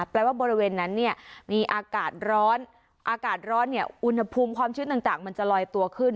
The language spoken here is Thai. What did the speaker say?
แปลว่าบริเวณนั้นมีอากาศร้อนอุณหภูมิความชื้นต่างมันจะลอยตัวขึ้น